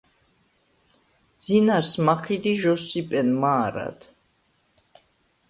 ძინარს მაჴიდ ი ჟოსსიპენ მა̄რად.